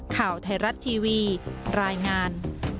ข่าวไทยรัฐทีวีรายงาน